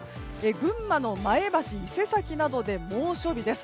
群馬の前橋、伊勢崎などで猛暑日です。